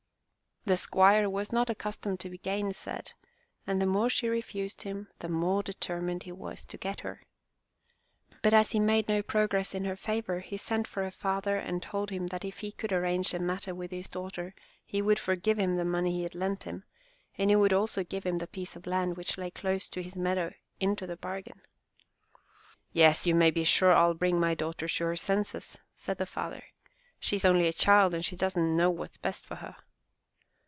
The squire was not accustomed to be gainsaid, and the more she refused him, the more determined he was to get her. But as he made no progress in her favor, he sent for her father and told him that if he could arrange the matter with his daughter he would forgive him the money he had lent him, and he would also give him the piece of land which lay close to his meadow into the bargain. "Yes, you may be siire TU bring my daughter to her senses," said the father. "She is only a child and she doesn't know what's best for her."